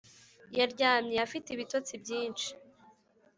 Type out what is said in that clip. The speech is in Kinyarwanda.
yaryamye afite ibitotsi byinshi